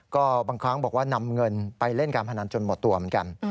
ก็บางครั้งบอกว่านำเงินไปเล่นการพนันจนหมดตัวเหมือนกัน